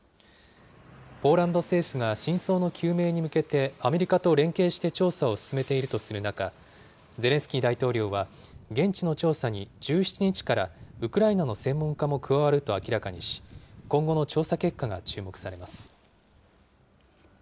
ポーランド政府が真相の究明に向けて、アメリカと連携して調査を進めているとする中、ゼレンスキー大統領は現地の調査に１７日からウクライナの専門家も加わると明らかにし、今後の調査結果が注目されます。